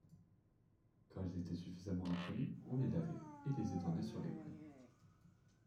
Quand elles étaient suffisamment imprégnées, on les lavait et les étendait sur les prés.